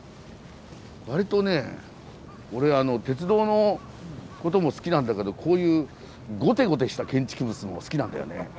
わりとね俺鉄道のことも好きなんだけどこういうゴテゴテした建築物も好きなんだよね。